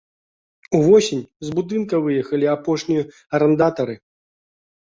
Увосень з будынка выехалі апошнія арандатары.